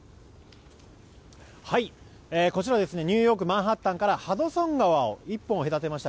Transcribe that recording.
こちらニューヨーク・マンハッタンからハドソン川を一本隔てました